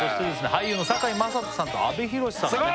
俳優の堺雅人さんと阿部寛さんがね